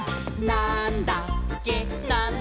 なんだっけ？！」